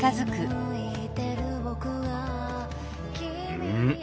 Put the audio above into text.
うん？